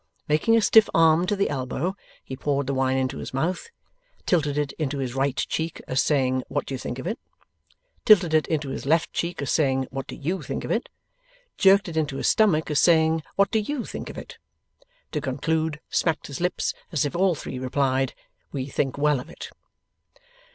Making a stiff arm to the elbow, he poured the wine into his mouth, tilted it into his right cheek, as saying, 'What do you think of it?' tilted it into his left cheek, as saying, 'What do YOU think of it?' jerked it into his stomach, as saying, 'What do YOU think of it?' To conclude, smacked his lips, as if all three replied, 'We think well of it.